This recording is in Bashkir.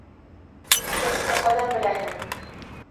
Тексты ҡайҙан беләһең?